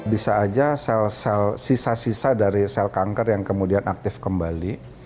bisa aja sel sel sisa sisa dari sel kanker yang kemudian aktif kembali